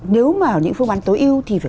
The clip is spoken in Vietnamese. nếu mà những phương án tối ưu thì phải